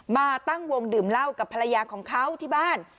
มาตั้งวงดื่มเหล้ากับภรรยาของเขาที่บ้าน